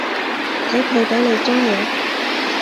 睇佢畀你張嘢